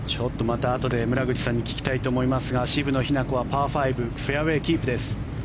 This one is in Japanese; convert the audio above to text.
あとで村口さんに聞きたいと思いますが渋野日向子はパー５フェアウェーキープです。